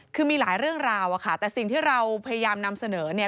คือมีหลายเรื่องราวอะค่ะแต่สิ่งที่เราพยายามนำเสนอเนี่ย